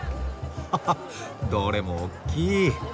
ははっどれもおっきい。